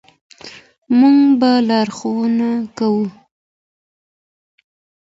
مور به لارښوونه کوي.